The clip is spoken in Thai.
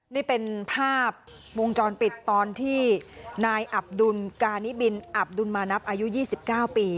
นี่เป็นภาพวงจรปิดตอนที่นายอับดุลกานิบินอับดุลมานับอายุ๒๙ปี